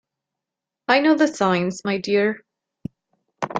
I know the signs, my dear.